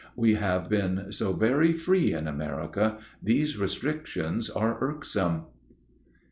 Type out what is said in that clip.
We have been so very free in America, these restrictions are irksome.